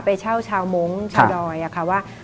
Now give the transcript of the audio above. ไปเช่าชาวมงค์ชาวดอยค่ะว่า